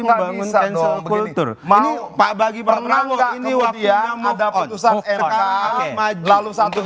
bangun cancel kultur mau pak bagi pernah nggak ini wakilnya mohon ada putusan rk lalu satu